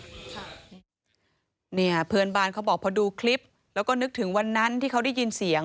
เนี่ยเพื่อนบ้านเขาบอกพอดูคลิปแล้วก็นึกถึงวันนั้นที่เขาได้ยินเสียง